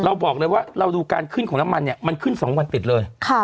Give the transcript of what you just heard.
เราบอกเลยว่าเราดูการขึ้นของน้ำมันเนี่ยมันขึ้น๒วันติดเลย